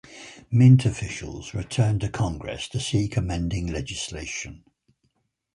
Mint officials returned to Congress to seek amending legislation.